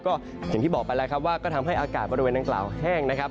ก็อย่างที่บอกไปแล้วครับว่าก็ทำให้อากาศบริเวณดังกล่าวแห้งนะครับ